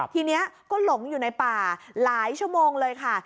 ทีนี้ก็หลงอยู่ในป่าหลายชั่วโมงเลยค่ะ